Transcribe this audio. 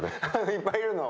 いっぱいいるの。